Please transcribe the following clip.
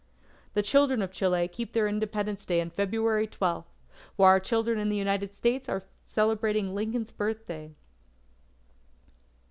The children of Chile keep their Independence Day on February 12, while our children in the United States are celebrating Lincoln's Birthday.